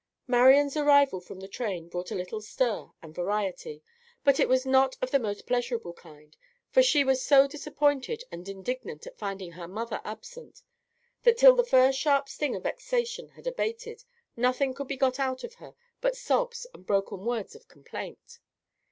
Marian's arrival from the train brought a little stir and variety; but it was not of the most pleasurable kind, for she was so disappointed and indignant at finding her mother absent, that till the first sharp sting of vexation had abated, nothing could be got out of her but sobs and broken words of complaint.